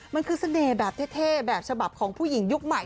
มันคือเสน่ห์แบบเท่แบบฉบับของผู้หญิงยุคใหม่